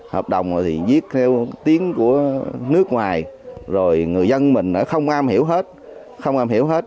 hợp đồng thì viết theo tiếng của nước ngoài rồi người dân mình không am hiểu hết không am hiểu hết